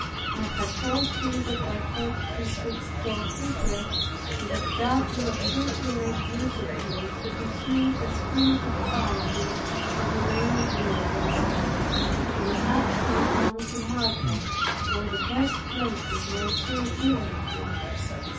I had told him that I thought he should go thither, and that God would assuredly make use of him to diffuse a spirit of piety into many of the knights. He has actually gone to Malta, where the first places were soon given him.